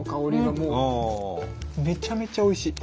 めちゃめちゃおいしい！